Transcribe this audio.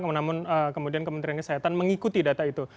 namun kemudian kementerian kesehatan mengikuti data itu